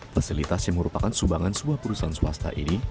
fasilitas yang merupakan sumbangan sebuah perusahaan swasta ini